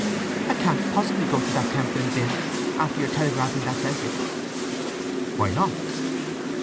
"I can't possibly go to that Temperance Inn, after your telegraphing that message!" "Why not?"